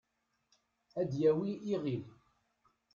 ad yawi iɣil